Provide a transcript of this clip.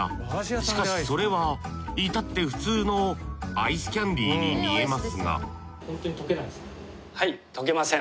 しかしそれはいたって普通のアイスキャンディーに見えますがはい。